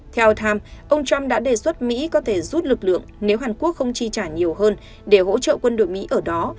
theo tham ông trump đã đề xuất mỹ có thể rút lực lượng nếu hàn quốc không chi trả nhiều hơn để hỗ trợ quân đội mỹ ở đó